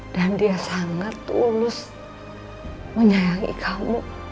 dan dia sangat tulus menyayangi kamu